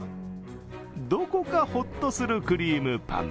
どこかホッとするクリームパン。